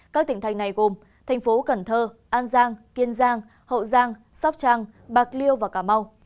các tỉnh thành này gồm thành phố cần thơ an giang kiên giang hậu giang sóc trăng bạc liêu và cà mau